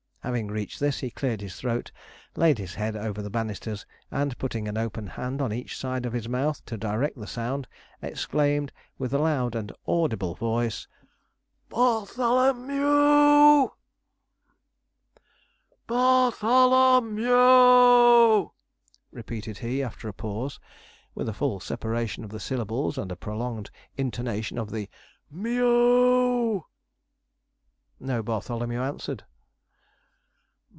Having reached this, he cleared his throat, laid his head over the banisters, and putting an open hand on each side of his mouth to direct the sound, exclaimed with a loud and audible voice: 'BARTHOLO m e w!' 'BAR THO LO m e e w!' repeated he, after a pause, with a full separation of the syllables and a prolonged intonation of the m e w. No Bartholomew answered.